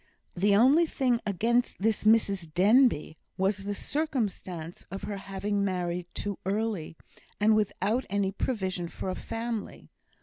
The only thing against this Mrs Denbigh was the circumstance of her having married too early, and without any provision for a family.